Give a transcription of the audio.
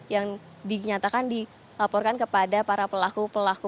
yang dinyatakan dilaporkan kepada para pelaku pelaku